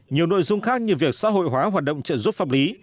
nhiều nội dung khác như việc xã hội hóa hoạt động trợ giúp pháp lý